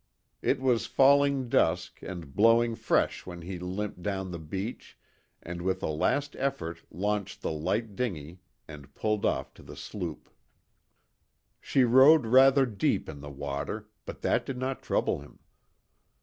It was falling dusk and blowing fresh when he limped down the beach and with a last effort launched the light dinghy and pulled off to the sloop. She rode rather deep in the water, but that did not trouble him.